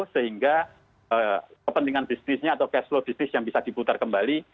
sehingga kepentingan bisnisnya atau cash flow bisnis yang bisa diputar kembali